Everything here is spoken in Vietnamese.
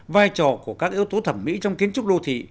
vai trò của các yếu tố thẩm mỹ trong kiến trúc đô thị